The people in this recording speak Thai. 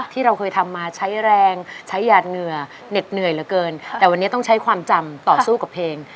ที่เราเคยทำมาใช้แรงใช้หยาดเหงื่อเหน็ดเหนื่อยเหลือเกินแต่วันนี้ต้องใช้ความจำต่อสู้กับเพลง